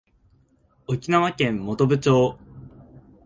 沖縄県本部町